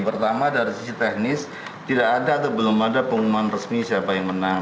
pertama dari sisi teknis tidak ada atau belum ada pengumuman resmi siapa yang menang